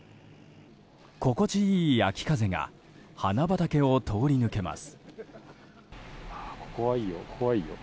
心地いい秋風が花畑を通り抜けます。